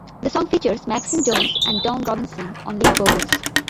The song features Maxine Jones and Dawn Robinson on lead vocals.